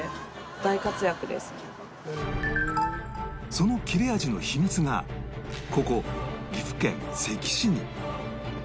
その切れ味の秘密がここ岐阜県関市に